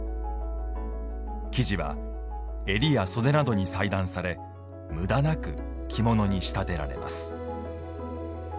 生地は、襟や袖などに裁断され無駄なく着物に仕立てられます。